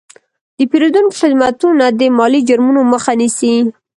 د پیرودونکو خدمتونه د مالي جرمونو مخه نیسي.